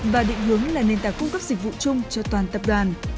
và định hướng là nền tảng cung cấp dịch vụ chung cho toàn tập đoàn